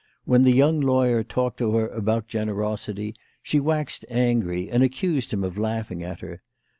When the young lawyer talked to her about generosity she waxed angry, and accused him of laughing at her.